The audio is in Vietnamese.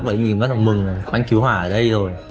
anh ấy bắt đầu mừng là anh cứu hỏa ở đây rồi